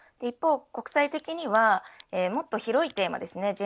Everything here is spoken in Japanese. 一方、国際的にはもっと広いテーマですね。